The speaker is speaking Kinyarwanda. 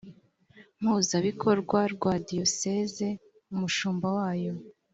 mpuzabikorwa rwa diyoseze umushumba wayo